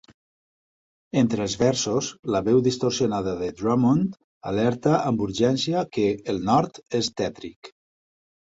Entre els versos, la veu distorsionada de Drummond alerta amb urgència que "El nord és tètric".